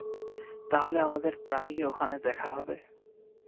তাহলে আমাদের প্রায়ই ওখানে দেখা হবে।